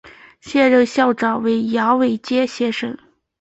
现任校长为杨伟贤先生。